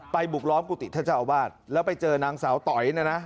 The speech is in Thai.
บุกล้อมกุฏิท่านเจ้าอาวาสแล้วไปเจอนางสาวต๋อยนะนะ